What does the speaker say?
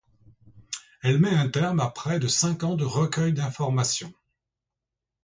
Elle met un terme à près de cinq ans de recueil d'informations.